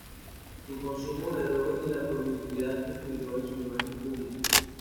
Su consumo de drogas y la promiscuidad influyó en su imagen pública.